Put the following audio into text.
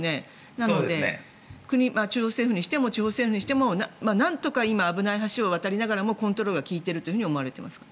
なので中央政府にしても地方政府にしてもなんとか危ない橋を渡りながらもコントロールが利いているということですか？